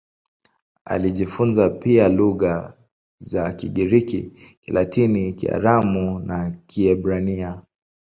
Alijifunza pia lugha za Kigiriki, Kilatini, Kiaramu na Kiebrania.